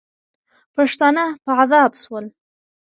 پښتانه په عذاب سول.